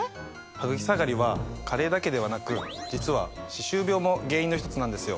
ハグキ下がりは加齢だけではなく実は歯周病も原因の一つなんですよ。